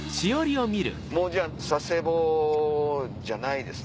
もうじゃあ佐世保じゃないですね。